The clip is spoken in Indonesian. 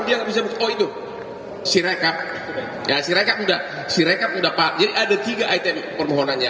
dia bisa berkaitan si rekap ya si rekap udah si rekap udah pak jadi ada tiga item permohonannya